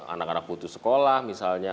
anak anak putus sekolah misalnya